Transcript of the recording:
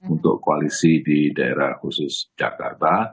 untuk koalisi di daerah khusus jakarta